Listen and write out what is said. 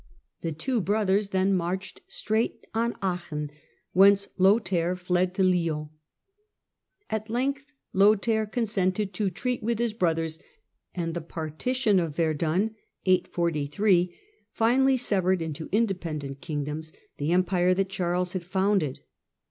The two brothers then marched straight on Aachen, whence Lothair fled to Lyons. At length Lothair consented to treat with his brothers, and the Partition of Verdun finally severed into independent Partition kingdoms the Empire that Charles had founded.